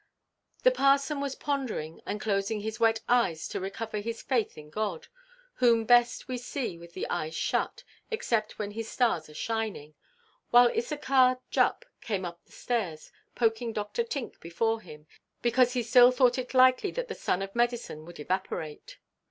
The parson was pondering and closing his wet eyes to recover his faith in God—whom best we see with the eyes shut, except when His stars are shining—while Issachar Jupp came up the stairs, poking Dr. Tink before him, because he still thought it likely that the son of medicine would evaporate.